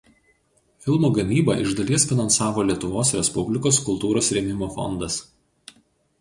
Filmo gamybą iš dalies finansavo Lietuvos Respublikos Kultūros rėmimo fondas.